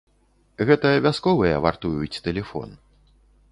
Гэта вясковыя вартуюць тэлефон.